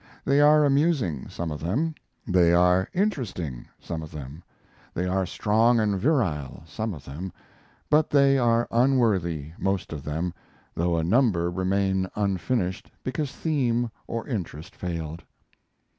They are amusing some of them; they are interesting some of them; they are strong and virile some of them; but they are unworthy most of them, though a number remain unfinished because theme or interest failed.